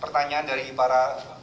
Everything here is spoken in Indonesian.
pertanyaan dari para